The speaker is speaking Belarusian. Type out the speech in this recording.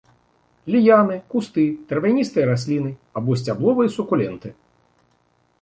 Ліяны, кусты, травяністыя расліны або сцябловыя сукуленты.